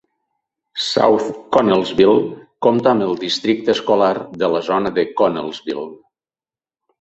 South Connellsville compta amb el districte escolar de la zona de Connellsville.